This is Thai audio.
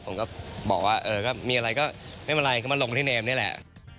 ผมก็บอกว่าเออก็มีอะไรก็ไม่เป็นไรก็มาลงที่เนมนี่แหละ